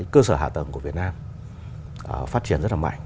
cơ sở hạ tầng của việt nam phát triển rất là mạnh